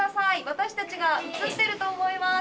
私たちが映っていると思います。